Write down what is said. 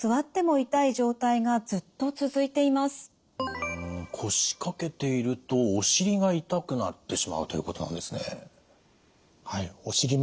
うん腰かけているとお尻が痛くなってしまうということなんですね。